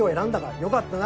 よかったな」